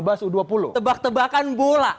basu u dua puluh tebak tebakan bola